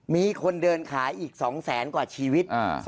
มีคนเดินขายอีก๒แสนกว่าชีวิต